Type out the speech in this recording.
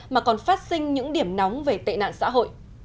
mà còn phát sinh những điểm nóng về tệ nạn xã hội